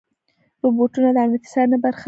روبوټونه د امنیتي څارنې برخه دي.